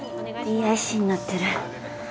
ＤＩＣになってる。